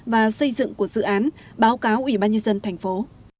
và xây dựng của dự án báo cáo ubnd thành phố